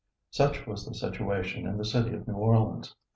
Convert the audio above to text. Such was the situation in the city of New Orleans.